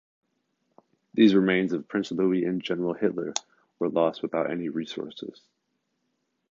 These remains of prince Louis and General Hitler were lost without any resources.